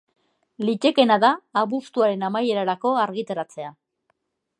Litekeena da abuztuaren amaierarako argitaratzea.